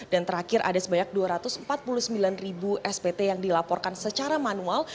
dan terakhir ada sebanyak dua ratus empat puluh sembilan spt yang dilaporkan secara manual